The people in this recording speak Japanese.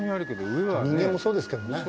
人間もそうですけどね。